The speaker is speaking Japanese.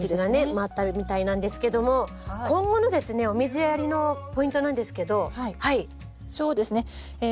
回ったみたいなんですけども今後のですねお水やりのポイントなんですけど。